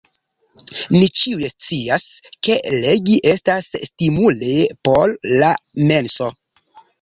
Ni ĉiuj scias, ke legi estas stimule por la menso.